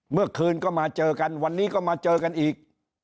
เมื่อคืนก็มาเจอกันวันนี้ก็มาเจอกันอีก